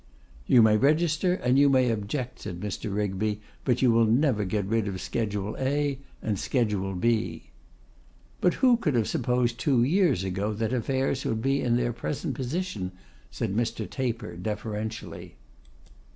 'You may register, and you may object,' said Mr. Rigby, 'but you will never get rid of Schedule A and Schedule B.' 'But who could have supposed two years ago that affairs would be in their present position?' said Mr. Taper, deferentially.